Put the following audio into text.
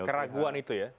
ada keraguan itu ya